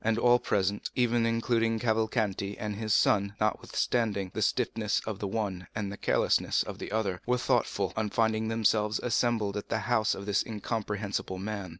And all present, even including Cavalcanti and his son, notwithstanding the stiffness of the one and the carelessness of the other, were thoughtful, on finding themselves assembled at the house of this incomprehensible man.